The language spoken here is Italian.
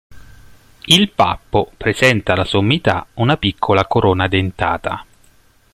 Il pappo presenta alla sommità una piccola corona dentata.